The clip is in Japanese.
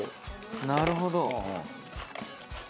なるほど。